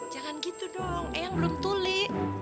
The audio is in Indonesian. jangan gitu dong eang belum tuli